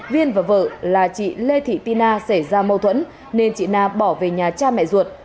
viên và vợ là chị lê thị tin a xảy ra mâu thuẫn nên chị na bỏ về nhà cha mẹ ruột